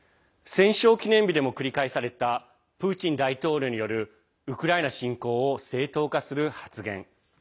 戦勝記念日でも繰り返されたプーチン大統領によるウクライナ侵攻を正当化する発言。